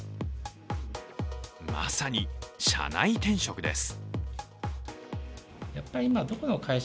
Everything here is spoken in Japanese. まさに社内転職です。